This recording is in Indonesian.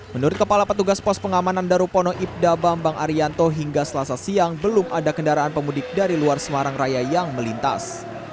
menurut kepala petugas pos pengamanan darupono ibda bambang arianto hingga selasa siang belum ada kendaraan pemudik dari luar semarang raya yang melintas